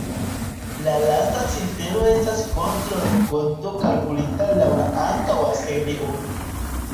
La lasta cifero estas kontrol-kodo kalkulita laŭ la antaŭa serio.